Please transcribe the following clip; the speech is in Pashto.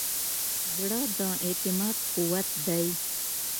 زړه د اعتماد قوت دی.